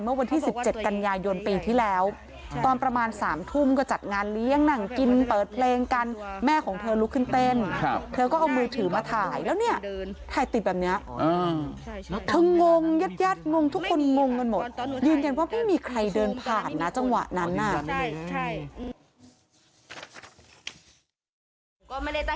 เมื่อวันที่๑๗กันยายนปีที่แล้วตอนประมาณ๓ทุ่มก็จัดงานเลี้ยงนั่งกินเปิดเพลงกันแม่ของเธอลุกขึ้นเต้นเธอก็เอามือถือมาถ่ายแล้วเนี่ยถ่ายติดแบบนี้เธองงญาติญาติงงทุกคนงงกันหมดยืนยันว่าไม่มีใครเดินผ่านนะจังหวะนั้นน่ะ